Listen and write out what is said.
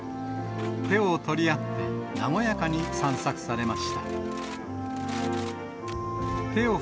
手を取り合って、和やかに散策されました。